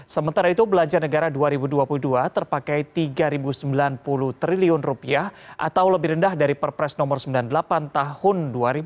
sementara itu belanja negara dua ribu dua puluh dua terpakai rp tiga sembilan puluh triliun atau lebih rendah dari perpres nomor sembilan puluh delapan tahun dua ribu dua puluh